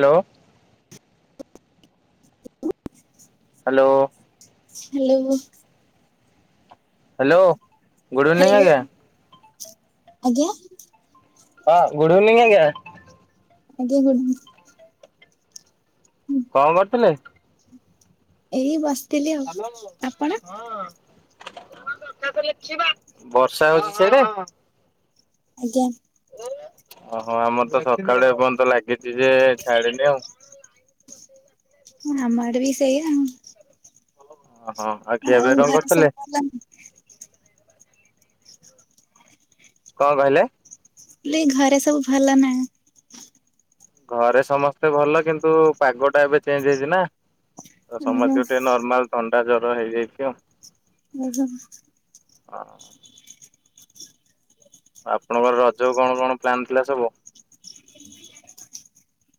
Hello. [unintelligible] Hello. Hello. Hello. Good evening ଆଜ୍ଞା। ଆଜ୍ଞା? ହଁ, ଗୁଡ ଇଭିନିଂ ଆଜ୍ଞା। ଆଜ୍ଞା ଗୁଡ କଣ କରୁଥିଲେ? ଏଇ ବସିଥିଲି ଆଉ। ଆପଣ? ବର୍ଷା ହଉଚି ସିଆଡେ? ଆଜ୍ଞା। ଓହୋ। ଆମର ତ ସକାଳୁ ଏପର୍ଯ୍ୟନ୍ତ ଲାଗିଛି ଯେ ଛାଡନି ଆଉ। ଆମଆଡ଼େ ବି ସେଇଆ ଆଉ। ଓ। ଆଉ ଖିଆ ପିଆ କଣ କରିଥିଲେ? ହ [unintelligible] କଣ କହିଲେ? ଲି ଘରେ ସବୁ ଭଲ ନା? ଘରେ ସମସ୍ତେ ଭଲ। କିନ୍ତୁ ପାଗ ଟା ଏବେ ଚେଞ୍ଜ ହେଇଛି ନା? ତ ଓହୋ ଓହୋ। ସମସ୍ତଙ୍କୁ ଟିକେ ନର୍ମାଲ ଥଣ୍ଡା ଜର ହେଇଯାଇଛି ଆଉ। ଆଜ୍ଞା। ହଁ। ଆପଣଙ୍କର ରଜ କୁ କଣ କଣ ପ୍ଲାନ୍ ଥିଲା ସବୁ?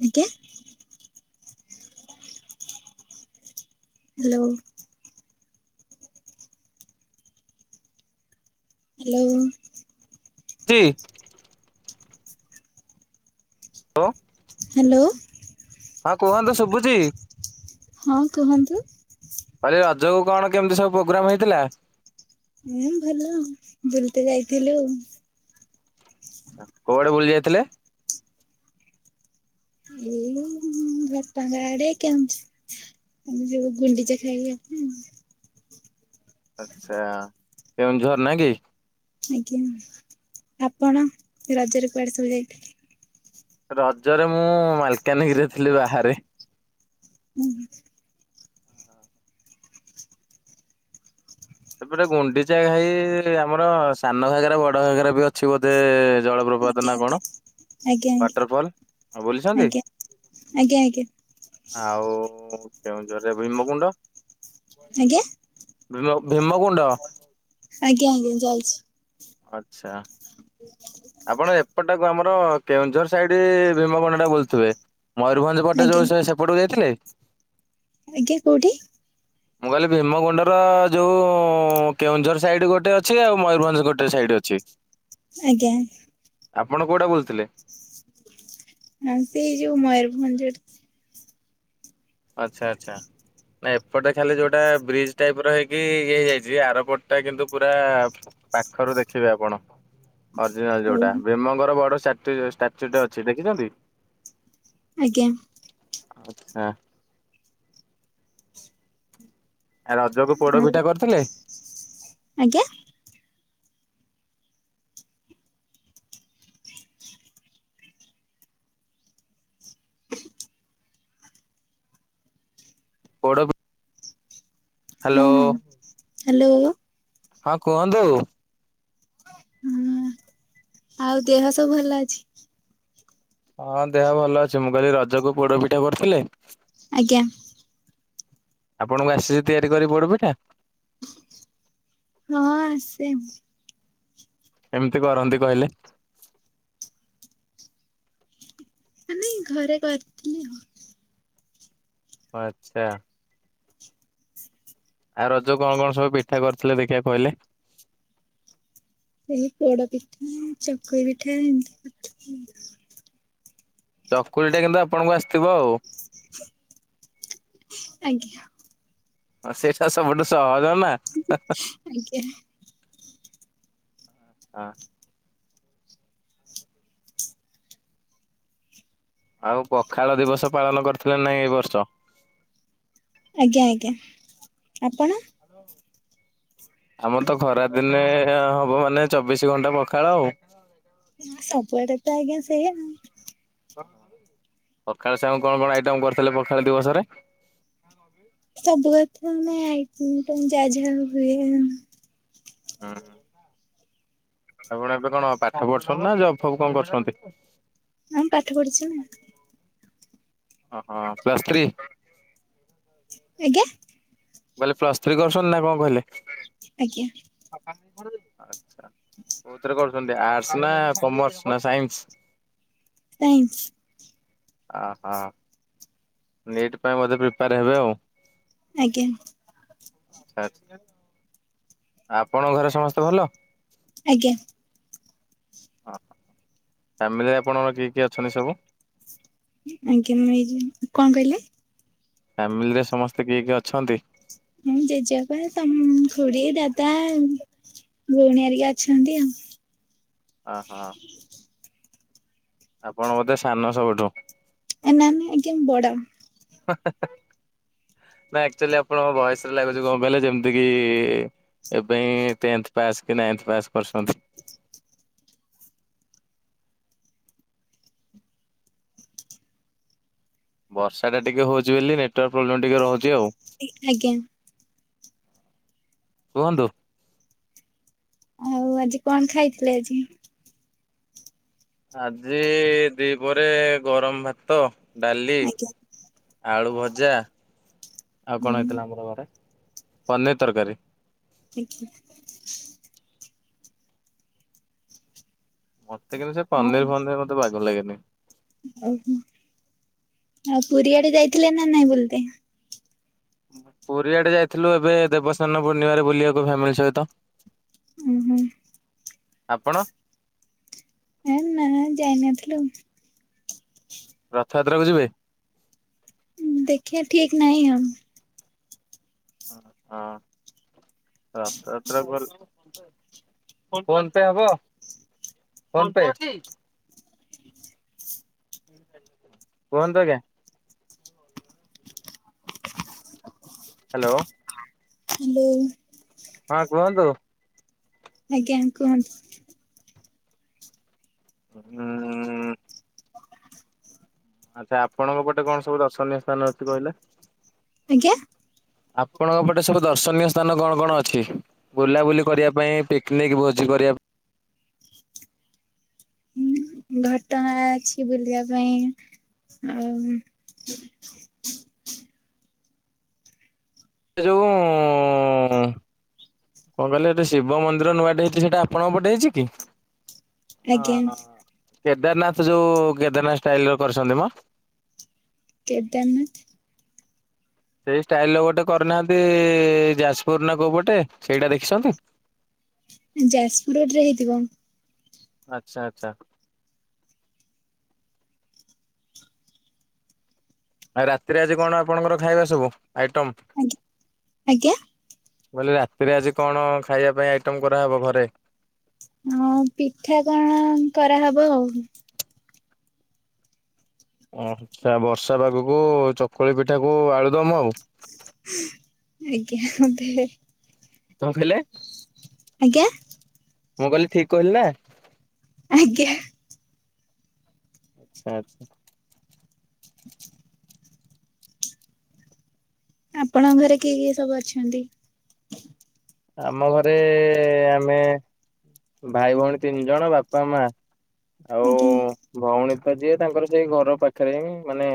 ଆଜ୍ଞା ହ୍ୟାଲୋ। ହ୍ୟାଲୋ ତି ହ ହ୍ୟାଲୋ ହଁ କୁହନ୍ତୁ ଶୁଭୁଛି। ହଁ କୁହନ୍ତୁ। କହିଲି ରଜ କୁ କଣ କେମିତି ସବୁ ପ୍ରୋଗ୍ରାମ ହେଇଥିଲା? ଉଁ ଭଲ ବୁଲ ତେ ଯାଇଥିଲୁ। କୋଉଆଡେ ବୁଲି ଯାଇଥିଲେ? ଏଇ ବାପାଙ୍କ ଆଡେ କେ ଆମେ ଯୁ ଗୁଣ୍ଡିଚା ଖାଇ ଆଡ଼େ ଆଉ। ଆଚ୍ଛା କେଉଁଝର ନା କି? ଆଜ୍ଞା ଆପଣ ରଜରେ କୁଆଡେ ସବୁ ଯାଇଥିଲେ? ରଜରେ ମୁଁ ମାଲକାନଗିରିରେ ଥିଲି ବାହାରେ। ହୁଁ। ସେପଟେ ଗୁଣ୍ଡିଚା ଘାଇ ଆମର ସାନ ଘାଗାରେ ବଡ ଘାଗାରେ ବି ଅଛି ବୋଧେ ଜଳପ୍ରପାତ। ନା କଣ? [unintelligible] ଆଞ ଆଜ୍ଞା ଆଜ୍ଞା ୱାଟରଫଲ୍ ଆଉ ବୁଲିଛନ୍ତି ଆଜ୍ଞା ଆଜ୍ଞା ଆଜ୍ଞା। ଆଉ କେଉଁଝରେ ଭୀମକୁଣ୍ଡ ଭମ? ଆଜ୍ଞା ଭିମକୁୁଣ୍ଡ। ଆଜ୍ଞା ଆଜ୍ଞା ଯାଇଛି। ଆଚ୍ଛା। ଆପଣ ଏପଟାକୁ ଆମର କେଉଁଝର ସାଇଡ ଭୀମକଣ୍ଡା ଟା ବୋୁଥିବେ। ମୟରଭଞ୍ଜ ପଟେ ଆଜ୍ଞା ଯୋଉ ସେ ସେପଟକୁ ଯାଇଥିଲେ? ଆଜ୍ଞା କୋଉଠି? [inaudible] ମୁଁ କହିଲି ଭୀମକୁୁଣ୍ଡର ଯଉ କେଉଁଝର ସାଇଡ଼ ଗୋଟେ ଅଛି ଆଉ ମୟୂରଭଞ୍ଜ ଗୋଟେ ସାଇଡ଼ ଅଛି। ଆଜ୍ଞା। ଆପଣ କୋଉଟା ବୁଲିଥିଲେ? ହ ସେ ଯୋଉ ମୟୂରଭଞ୍ଜର ଆଚଛା ଆଚ୍ଛା। ନା ଏପଟେ ଖାଲି ଯୋଉଟା ବ୍ରିଜ ଟାଇପ ର ହେଇକି ଇଏ ହେଇଯାଇଛି ଆରପଟ ଟା କିନ୍ତୁ ପୁରା ପାଖରୁ ଦେଖିବେ ଆପଣ। ଅରିଜିନାଲ ହଉ ଯୋଉଟା ଭୀମଙ୍କର ବଡଷ୍ଟାଚୁ ଟେ ଅଛି ଦେଖିଛନ୍ତି? ଆଜ୍ଞା। ହାଁ। ଆଉ ରଜକୁ ପୋଡ ପିଠା ଆଉ କରିଥିଲେ? ଆଜ୍ଞା? ପୋଡପି ହଁ ହ୍ୟାଲୋ। ହଁ ହ୍ୟାଲୋ। ହଁ କୁହନ୍ତୁ। ହଁ ଆଉ ଦେହ ସବୁ ଭଲ ଅଛି। ହଁ ଦେହ ଭଲ ଅଛି ମୁଁ କହିଲି ରଜକୁ ପୋଡ ପିଠା କରୁଥିଲି? ଆଜ୍ଞା। ଆପଣଙ୍କୁ ଆସେ ତିଆରି କରି ପୋଡ଼ପିଠା। ହଁ ଆସେ ଆଉ। ଏମିତି କରନ୍ତି କହିଲେ? ନାଇଁ ଘରେ କରିଥିଲି ହଁ। ଆଚ୍ଛା। ଆଉ ରଜ କଣ-କଣ ସବୁ ପିଠା କରିଥିଲେ ଦେଖିବା କହିଲେ ଏଇ ପୋଡପିଠା, ଚକୁଳିପିଠା, ଏଣ୍ଡୁରିପିଠା ଆଉ। ଚକୁଲି ଟା କିନ୍ତୁ ଆପଣଙ୍କୁ ଆସିଥିବ ଆଉ। ଆଜ୍ଞା। ହ ସେଇଟା ସବୁଠୁ ସହଜ ନା। ଆଜ୍ଞା। ଆଉ ପଖାଳ ଦିବସ ପାଳନ କରିଥିଲେ ନାଇଁ ଏଇ ବର୍ଷ। ଆଜ୍ଞା-ଆଜ୍ଞା ଆପଣ? ଆମର ତ ଖରା ଦିନେ ହବ ମାନେ ଚବିଶି ଘଣ୍ଟା ପଖାଳ ଆଉ। ହ ସବୁଆଡେ ତ ଆଜ୍ଞା ସେଇ। ପଖାଳ ସାଙ୍ଗକୁ କଣ-କଣ ଆଇଟମ୍ କରିଥିଲେ ପଖାଳ ଦିବସରେ ସବୁ କଥା ମାନେ ଆଇଟମ୍ ଯାହା-ଯାହା ହୁଏ। ହୁଁ-ହୁଁ ଆପଣ ଏବେ କଣ ପାଠ ପଢୁଛନ୍ତି ନା ଜବ୍ ଫବ୍ କଣ କରୁଛନ୍ତି? ହଁ ପାଠ ପଢିଛି ନା। ଓହୋ ପ୍ଲସ୍ ଥ୍ରୀ। ଆଜ୍ଞା। ବୋଇଲେ ପ୍ଲସ ଥ୍ରୀ କରୁଛନ୍ତି ନା କଣ କହିଲେ। ଆଜ୍ଞା। ଆଚ୍ଛା। ହ କୋଉଥିରେ କରୁଛନ୍ତି ଆର୍ଟସ ନା କମର୍ସ ନା ସାଇନ୍ସ [inaudible] ଅ ହଁ। ନିଟ୍ ପାଇଁ ବୋଧେ ପ୍ରିପେୟାର ହେବେ ଆଉ। ଆଜ୍ଞା। ଆଚ୍ଛା। ଆପଣଙ୍କ ଘରେ ସମସ୍ତେ ଭଲ? ଆଜ୍ଞା। ହ ଫ୍ୟାମିଲିରେ ଆପଣଙ୍କର କିଏ କିଏ ଅଛନ୍ତି ସବୁ? ଆଜ୍ଞା ମୁଁ ଏଇ ଯୋଉ କଣ କହିଲେ? ଫ୍ୟାମିଲିରେ ସମସ୍ତେ କିଏ-କିଏ ଅଛନ୍ତି? ମୁଁ ଜେଜେବାପା ତମ ଖୁଡିୀ ଦାଦା ଭଉଣୀଆରିକି ଅଛନ୍ତି ଆଉ। ଅ ହଁ ଆପଣ ବୋଧେ ସାନ ସବୁଠୁ। ଏ ନା-ନା ଆଜ୍ଞା ମୁଁ ବଡ। ନା ଆକ୍ଚୁଆଲି ଆପଣଙ୍କ ବୟସରେ ଲାଗୁଛି କଣ କହିଲେ ଯେମିତି କି ଏବେ ହିଁ ଟେନ୍ଥ ପାସ୍ କି ନାଇନ୍ଥ ପାସ୍ କରଛନ୍ତି। ବର୍ଷାଟା ଟିକେ ହଉଛି ବୋଲି ନେଟୱାର୍କ ପ୍ରୋବ୍ଲେମ୍ ଟିକେ ରହୁଛି ଆଉ ଆଜ୍ଞା କୁହନ୍ତୁ। ଆଉ ଆଜି କଣ ଖାଇଥିଲେ ଆଜି? ଆଜି ଦି ପହରେ ଗରମ ଭାତ, ଡାଲି ଆଜ୍ଞା ଆଳୁ ଭଜା ଆଉ କଣ ହୁଁ ହେଇଥିଲା ଆମର ଘରେ ପନିର ତରକାରୀ। [unintelligible] ମତେ କିନ୍ତୁ ସେ ଆଉ ପନିର ଫନିର ମତେ ବାଗ ଲାଗେନି। ଓହୋ ଆଉ ପୁରୀଆଡେ ଯାଇଥିଲେ ନା ନାଇଁ ବୁଲିତେ? ପୁରୀଆଡେ ଯାଇଥିଲୁ ଏବେ ଦେବସ୍ଥାନ ପୂର୍ଣ୍ଣିମାରେ ବୁଲିବାକୁ ଫ୍ୟାମିଲି ସହିତ। ଓହୋ ଆପଣ? ହଁ ଯାଇନଥିଲୁ। ରଥଯାତ୍ରାକୁ ଯିବେ? ଦେଖିବା ଠିକ୍ ନାହିଁ ଆଉ। ହଁ ରଥଯାତ୍ରା କୁ ଫୋନ୍ ପେ ହବ ଫୋନ୍ ପେ? କୁହନ୍ତୁ ଆଜ୍ଞା। ହ୍ୟାଲୋ। ହ୍ୟାଲୋ। ହଁ କୁହନ୍ତୁ। ଆଜ୍ଞା କୁହନ୍ତୁ। ହୁଁ ଆଚ୍ଛା ଆପଣଙ୍କ ପଟେ କଣ ସବୁ ଦର୍ଶନୀୟ ସ୍ଥାନ ଅଛି କହିଲେ? ଆଜ୍ଞା। ଆପଣଙ୍କ ପଟେ ସବୁ ଦର୍ଶନୀୟ ସ୍ଥାନ କଣ କଣ ଅଛି? ବୁଲାବୁଲି କରିବା ପାଇଁ ପିକନିକ୍ ଭୋଜି କରିବା ପାଇଁ। ଘଟଗାଁ ଅଛି ବୁଲିବା ପାଇଁ ଆଉ ସେ ଯୋଉ କଣ କହିଲେ ଗୋଟେ ଶିବ ମନ୍ଦିର ନୂଆଟେ ହେଇଛି ସେଟା ଆପଣଙ୍କ ପଟେ ହେଇଛି କି? ହ ଆଜ୍ଞା ହ କେଦାରନାଥ ଯୋଉ କେଦାରନାଥ ଷ୍ଟଇଲରେ କରିଛନ୍ତି ମ। କେଦାରାନାଥ ସେଇ ଷ୍ଟାଇଲ ରେ ଗୋଟେ କରିନାହାନ୍ତି ଯାଜପୁର ନା କୋଉ ପଟେ ସେଇଟା ଦେଖିଛନ୍ତି? ଯାଜପୁର ରୋଡ ରେ ହେଇଥିବ। ଆଚ୍ଛା ଆଚ୍ଛା। ଆଉ ରାତିରେ ଆଜି କଣ ଆପଣଙ୍କର ଖାଇବା ସବୁ ଆଇଟମ୍? ଆଜ୍ଞା। ମୁଁ କହିଲି ରାତିରେ ଆଜି କଣ ଖାଇବା ପାଇଁ ଆଇଟମ୍ କରାହେବ ଘରେ? ହଁ ପିଠା କଣ କରାହବ ଆଉ। ଉ ବର୍ଷା ପାଗକୁ ଚକୁଳି ପିଠାକୁ ଆଳୁଦମ ଆଉ। ଆଜ୍ଞା ବଧେ। କଣ କହିଲେ? ଆଜ୍ଞା। ମୁଁ କହିଲି ଠିକ କହିଲି ନା? ଆଜ୍ଞା। ଆଚ୍ଛା ଆଚ୍ଛା। ଆପଣଙ୍କ ଘରେ କିଏ କିଏ ସବୁ ଅଛନ୍ତି? ଆମ ଘରେ ଆମେ ଭାଇ ଭଉଣୀ ତିନିଜଣ ବାପା ମା। ଆଉ ଆଜ୍ଞା ଭଉଣୀତ ଯିଏ ତାଙ୍କର ସେଇ ଘର ପାଖରେହିଁ ମାନେ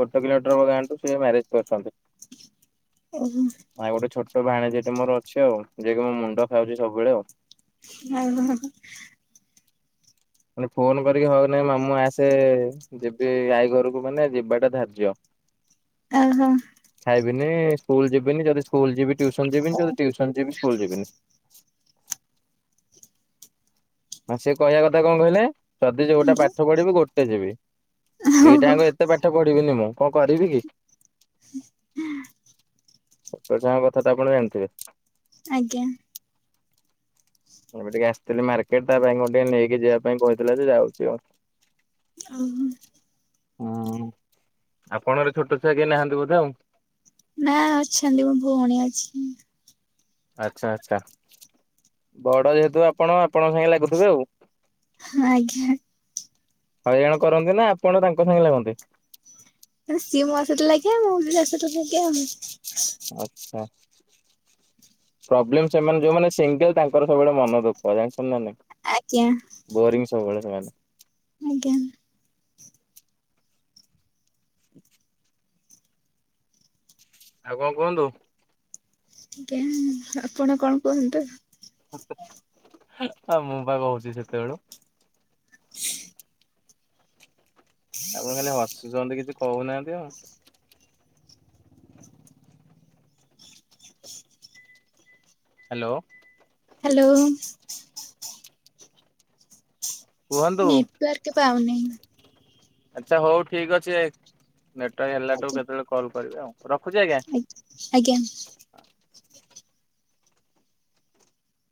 ଗୋଟେ କିଲୋମିଟର ହବ ଗାଁଠୁ ସେ ମ୍ୟାରେଜ କରିଛନ୍ତି। ଓହୋ। ଆଉ ଗୋଟେ ଛୋଟ ଭାଣେଜିଟେ ମୋର ଅଛି ଆଉ ଯିଏକି ମୋ ମୁଣ୍ଡ ଖାଉଚି ସବୁବେଳେ ଆଉ ନାଁ [unintelligible] ମାନେ ଫୋନ କରିକି ହଉନାଇଁ ମାମୁଁ ଆସେ ଯିବି ଆଇ ଘରକୁ ମାନେ ଯିବାଟା ଧାର୍ଯ୍ୟ। [inaudible] ଓହୋ। ଖାଇବିନି ସ୍କୁଲ ଯିବିନି ଯଦି ସ୍କୁଲ ଯିବି ଟିଉସନ ଯିବିନି ଓହୋ ଯଦି ଟିଉସନ ଯିବି ସ୍କୁଲ ଯିବିନି। ହଁ ସେ କହିବା କଥା କଣ କହିଲେ ଯଦି ଯୋଉଟା ଆଜ୍ଞା ପାଠ ପଢିବି ଗୋଟେ ଯିବି ଓହୋ ଦିଟାଙ୍କ ଏତେ ଏତେ ପାଠ ପଢିବିନି ମୁଁ କଣ କରିବି କି? ଛୋଟ ଛୁଆଙ୍କ କଥାତ ଆପଣ ଜାଣିଥିବେ। ଆଜ୍ଞା। ଏବେ ଟିକେ ଆସିଥିଲି ମାର୍କେଟ ତାପାଇଁ ମୁଁ ଟିକେ ନେଇକି ଯିବା ପାଇଁ କହିଥିଲାଯେ ଯାଉଛି ଆଉ ଆ ହୁଁ। ହୁଁ ଆପଣଙ୍କଘରେ ଛୋଟ ଛୁଆ କେହି ନାହାନ୍ତି ବୋଧେ ଆଉ ନାଁ ଅଛନ୍ତି ମୋ ଭଉଣୀ ଅଛି। ଆଚ୍ଛା ଆଚ୍ଛା ବଡ ଯେହେତୁ ଆପଣ ଆପଣଙ୍କ ସାଙ୍ଗେଲାଗୁଥିବେ ଆଉ ଆଜ୍ଞା। ହଇରାଣ କରନ୍ତିନା ଆପଣ ତାଙ୍କ ସାଙ୍ଗେ ଲାଗନ୍ତି। ମାନେ ସିଏ ମୋ ସହିତ ଲାଗିବ ମୁଁବି ତାସହିତ ଲାଗେ ଆଉ ହଁ। ପ୍ରବ୍ଲେମ ସେମାନେ ଯୋଉମାନେ ସିଙ୍ଗଲ ତାଙ୍କର ସବୁବେଳେ ମନ ଦୁଃଖ ଜାଣିଛନ୍ତିନା ନାହିଁ। ଆଜ୍ଞା। ବୋରିଙ୍ଗ ସବୁବେଳେ ସେମାନେ ଆଜ୍ଞା। [inaudible] ଆଉ କଣ କୁହନ୍ତୁ? ଆଜ୍ଞା ଆପଣ କଣ କୁହନ୍ତୁ? [unintelligible] ଆଉ ମୁଁ ପା କହୁଛି ସେତେବେଳୁ [inaudible] ଆପଣ ଖାଲି ହସୁଚନ୍ତି କିଛି କହୁନାହାନ୍ତି ଆଉ ହାଲୋ। ହାଲୋ। କୁହନ୍ତୁ ନିଟିୱାର୍କ ପାଉନେହିଁ। ଆଚ୍ଛା ହଉ ଠିକ ଅଛି ନେଟାୱାର୍କ ହେଲାଠୁ ଆଜ୍ଞା କେତେବେଳେ କଲ୍ କରିବେ ଆଉ ରଖୁଛି ଆଜ୍ଞା। ଆଜ୍ଞା।